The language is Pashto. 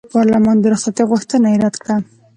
پارلمان د رخصتۍ غوښتنه یې رد کړه.